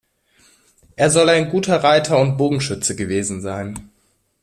Er soll ein guter Reiter und Bogenschütze gewesen sein.